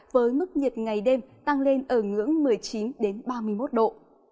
với mức nhiệt ngày đêm tăng lên ở ngưỡng một mươi chín ba mươi một độ